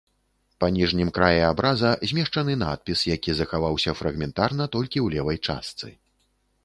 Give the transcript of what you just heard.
Па ніжнім краі абраза змешчаны надпіс, які захаваўся фрагментарна толькі ў левай частцы.